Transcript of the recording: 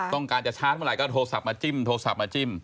ต้องการจะช้าเมื่อไหก็โทรศัพท์มาจิ้มโทรศัพท์มาจิ้ม